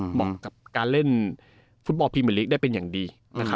เหมาะกับการเล่นฟุตบอลพรีเมอร์ลีกได้เป็นอย่างดี